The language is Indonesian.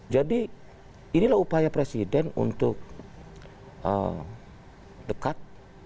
jadi inilah upaya presiden untuk dekat